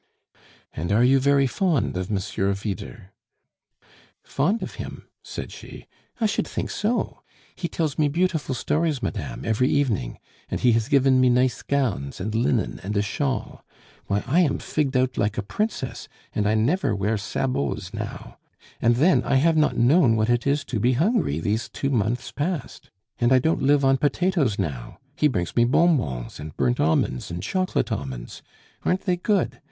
"And are you very fond of Monsieur Vyder?" "Fond of him?" said she. "I should think so! He tells me beautiful stories, madame, every evening; and he has given me nice gowns, and linen, and a shawl. Why, I am figged out like a princess, and I never wear sabots now. And then, I have not known what it is to be hungry these two months past. And I don't live on potatoes now. He brings me bonbons and burnt almonds, and chocolate almonds. Aren't they good?